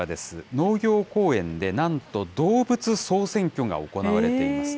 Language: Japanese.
農業公園でなんと、動物総選挙が行われています。